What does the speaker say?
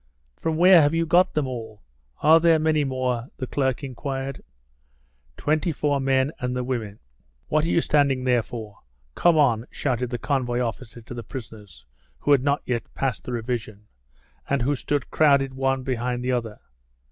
From where have you got them all? Are there many more?" the clerk inquired. "Twenty four men and the women." "What are you standing there for? Come on," shouted the convoy officer to the prisoners who had not yet passed the revision, and who stood crowded one behind the other.